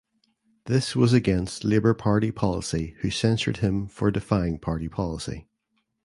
This was against Labour Party policy who censured him for defying party policy.